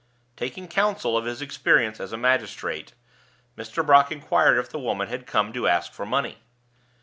Taking counsel of his experience as a magistrate, Mr. Brock inquired if the woman had come to ask for money.